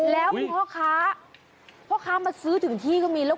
แล้วพ่อค้าพ่อค้ามาซื้อถึงที่ก็มีแล้ว